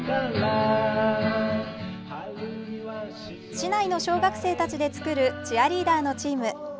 市内の小学生たちで作るチアリーダーのチーム。